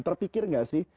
terpikir nggak sih